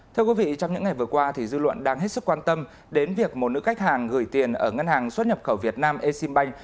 thưa quý vị trong những ngày vừa qua dư luận đang hết sức quan tâm đến việc một nữ khách hàng gửi tiền ở ngân hàng xuất nhập khẩu việt nam exim bank